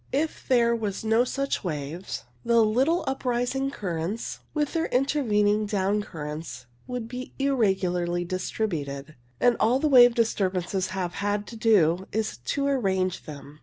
If there were no such waves, the >< o h < WAVE MOVEMENTS 121 little uprising currents, with their intervening down currents, would be irregularly distributed, and all the wave disturbances have had to do is to arrange them.